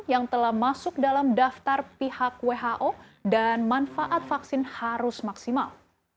yang telah masuk dalam daftar pihak who dan manfaat vaksin harus maksimal